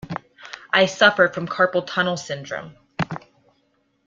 I suffer from carpal tunnel syndrome.